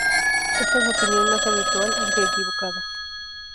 Esta es la opinión más habitual, aunque equivocada.